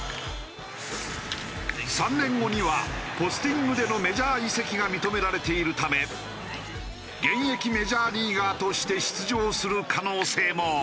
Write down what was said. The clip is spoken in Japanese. ３年後にはポスティングでのメジャー移籍が認められているため現役メジャーリーガーとして出場する可能性も。